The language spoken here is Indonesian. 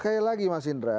kayak lagi mas indra